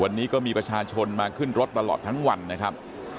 วันนี้ก็มีประชาชนมาขึ้นรถตลอดทั้งวันนะครับ